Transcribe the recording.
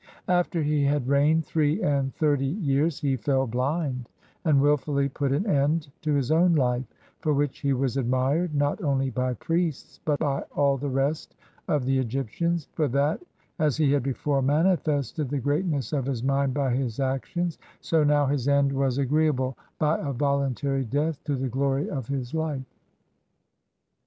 After he had reigned three and thirty years, he fell bUnd, and willfully put an end to his own Hf e ; for which he was admired not only by priests, but by all the rest of the Egyptians; for that, as he had before manifested the greatness of his mind by his actions, so now his end 96 THE MIGHTY REIGN OF SESOSTRIS was agreeable (by a voluntary death) to the glory of his life.